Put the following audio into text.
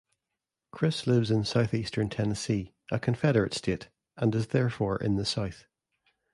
Chris lives in southeastern Tennessee, a Confederate state, and is therefore in the South.